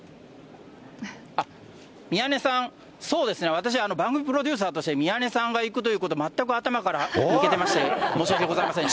宮根さん、そうですね、私、番組プロデューサーとして、宮根さんが行くというの、全く頭から抜けてまして、申し訳ございません。